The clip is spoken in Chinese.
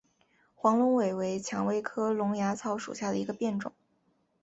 黄龙尾为蔷薇科龙芽草属下的一个变种。